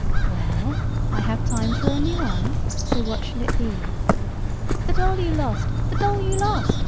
"Well, I have time for only one. So what shall it be?" "The doll you lost! The doll you lost!"